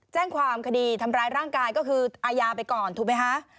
แจ้งความคดีทำร้ายร่างกายก็คืออาญาไปก่อนถูกไหมคะ